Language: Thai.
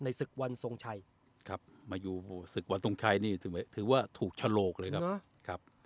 ศึกวันทรงชัยครับมาอยู่ศึกวันทรงชัยนี่ถือว่าถูกฉลกเลยนะครับ